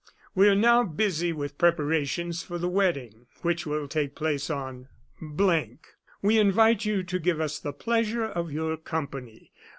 We are now busy with preparations for the wedding, which will take place on . We invite you to give us the pleasure of your company.